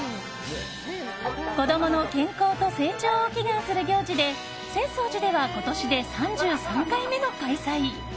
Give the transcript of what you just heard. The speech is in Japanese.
子供の健康と成長を祈願する行事で浅草寺では今年で３３回目の開催。